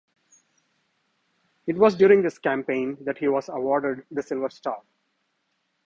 It was during this campaign that he was awarded the Silver Star.